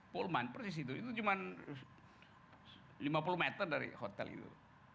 polman persis itu itu cuma lima puluh meter dari hotel itu